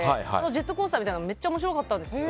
ジェットコースターみたいなのもめっちゃ面白かったんですよ。